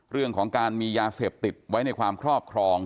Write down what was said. เรื่องของการมียาเสพติดไว้ในความครอบครอง